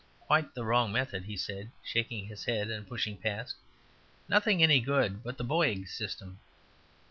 "Quite the wrong method," he said, shaking his head and pushing past. "Nothing any good but the Boyg system."